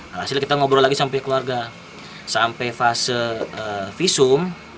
alhasil kita ngobrol lagi sampai keluarga sampai fase visum